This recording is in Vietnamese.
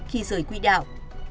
khi rời quy đảo